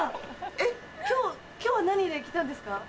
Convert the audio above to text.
えっ今日は何で来たんですか？